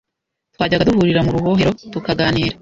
Twajyaga duhurira mu rubohero, tukaganira.